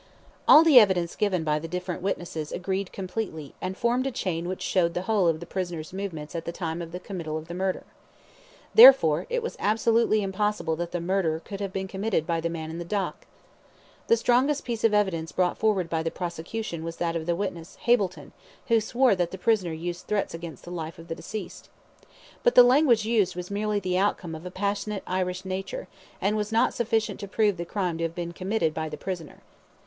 All the evidence given by the different witnesses agreed completely, and formed a chain which showed the whole of the prisoner's movements at the time of the committal of the murder. Therefore, it was absolutely impossible that the murder could have been committed by the man in the dock. The strongest piece of evidence brought forward by the prosecution was that of the witness Hableton, who swore that the prisoner used threats against the life of the deceased. But the language used was merely the outcome of a passionate Irish nature, and was not sufficient to prove the crime to have been committed by the prisoner.